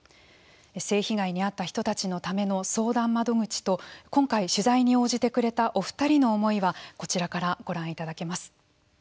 性被害に遭った人たちのための相談窓口と今回、取材に応じてくれたお二人の思いはこちらからご覧いただけます。